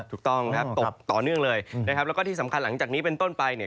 ถูกต้องครับตกต่อเนื่องเลยนะครับแล้วก็ที่สำคัญหลังจากนี้เป็นต้นไปเนี่ย